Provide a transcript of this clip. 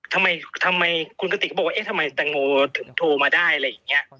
ทำไมทำไมคุณกติกก็บอกว่าเอ๊ะทำไมแตงโมถึงโทรมาได้อะไรอย่างนี้